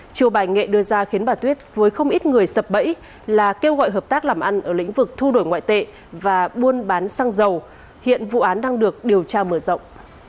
chiều bài nghệ đưa ra khiến bà tuyết với không ít người sập bẫy là kêu gọi hợp tác làm ăn ở lĩnh vực thu đổi ngoại tệ và buôn bán xăng dầu hiện vụ án đang được điều tra mở rộng